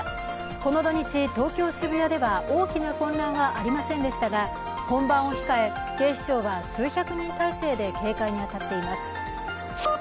この土日、東京・渋谷では大きな混乱はありませんでしたが本番を控え、警視庁は数百人態勢で警戒に当たっています。